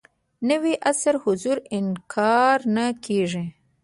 نوي عصر حضور انکار نه کېږي.